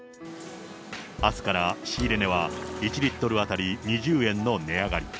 あすから仕入れ値は１リットル当たり２０円の値上がり。